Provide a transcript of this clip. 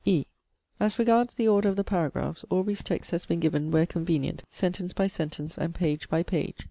(e) As regards the order of the paragraphs, Aubrey's text has been given, where convenient, sentence by sentence, and page by page.